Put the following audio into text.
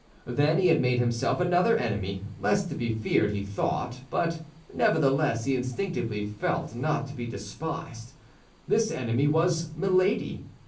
Then he had made himself another enemy, less to be feared, he thought; but nevertheless, he instinctively felt, not to be despised. This enemy was Milady.